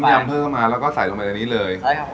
ยำเพิ่มเข้ามาแล้วก็ใส่ลงไปในนี้เลย